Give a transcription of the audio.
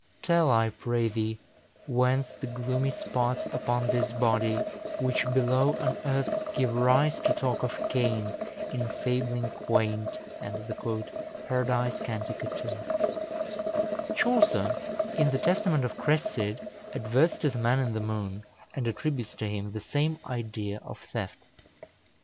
Tell, I pray thee, whence the gloomy spots Upon this body, which below on earth Give rise to talk of Cain in fabling quaint?" Paradise, cant. ii. Chaucer, in the "Testament of Cresside," adverts to the man in the moon, and attributes to him the same idea of theft.